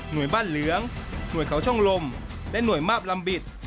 โดยบ้านเหลืองหน่วยเขาช่องลมและหน่วยมาบลำบิด